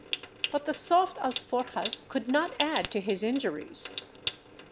But the soft alforjas could not add to his injuries.